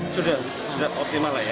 sudah sudah optimal lah ya